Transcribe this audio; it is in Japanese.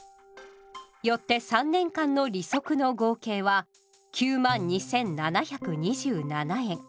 よって３年間の利息の合計は９万２，７２７円。